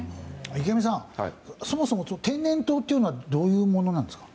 池上さん、そもそも天然痘というのはどういうものなんですか。